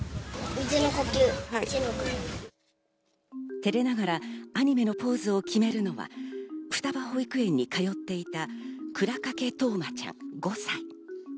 照れながらアニメのポーズを決めるのは双葉保育園に通っていた倉掛冬生ちゃん、５歳。